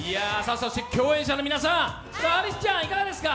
そして共演者の皆さん、アリスちゃん、いかがですか。